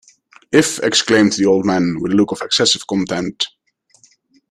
‘If!’ exclaimed the old man, with a look of excessive contempt.